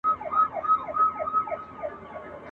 ګل غوندي مېرمن مي پاک الله را پېرزو کړې ..